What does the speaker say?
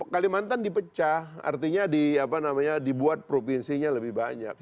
kalimantan dipecah artinya di apa namanya dibuat provinsinya lebih banyak